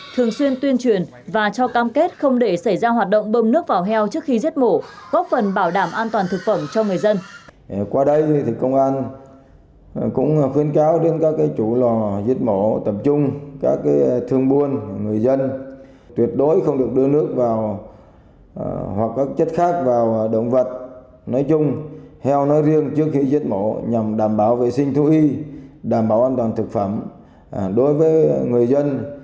thường xuyên tuyên truyền và cho cam kết không để xảy ra hoạt động bơm nước vào heo trước khi giết mổ góp phần bảo đảm an toàn thực phẩm cho người dân